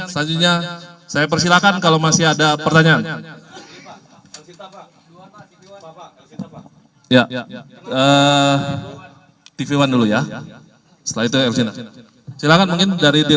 selanjutnya saya persilahkan kalau masih ada pertanyaan